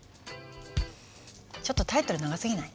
ちょっとタイトル長すぎない？